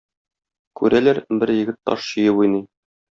Күрәләр, бер егет таш чөеп уйный.